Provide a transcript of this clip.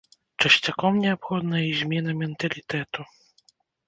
Часцяком неабходная і змена менталітэту.